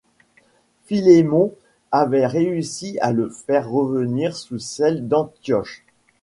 Philémon avait réussi a le faire revenir sous celle d'Antioche.